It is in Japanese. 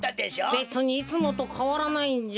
べつにいつもとかわらないんじゃ。